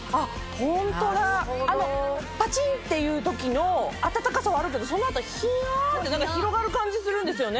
ホントだパチンっていう時の温かさはあるけどその後ヒヤって広がる感じするんですよね。